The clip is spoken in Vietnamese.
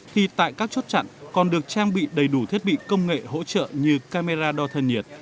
thì tại các chốt chặn còn được trang bị đầy đủ thiết bị công nghệ hỗ trợ như camera đo thân nhiệt